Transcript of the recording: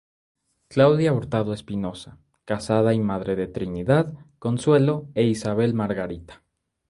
Claudia Hurtado Espinoza, casada y madre de Trinidad, Consuelo e Isabel Margarita.